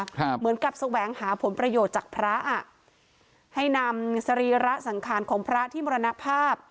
เหมือนกับแสวงหาผลประโยชน์จากพระอ่ะให้นำสรีระสังขารของพระที่มรณภาพ